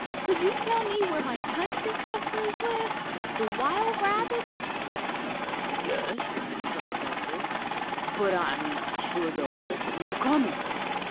Could you tell me where my country cousins live the wild rabbits?" "Yes," replied Buster, "but I'm not sure they'll welcome your coming.